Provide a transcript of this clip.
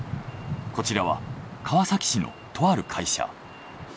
こちらは川崎市のとある会社。